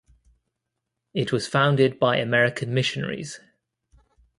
It was founded by American missionaries.